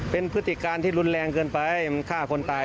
เป็นพฤติการที่รุนแรงเกินไปมันฆ่าคนตาย